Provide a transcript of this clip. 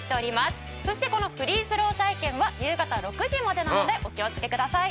そしてこのフリースロー体験は夕方６時までなのでお気をつけください。